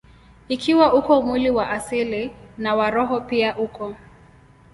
Ikiwa uko mwili wa asili, na wa roho pia uko.